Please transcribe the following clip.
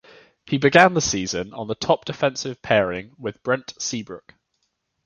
He began the season on the top-defensive pairing with Brent Seabrook.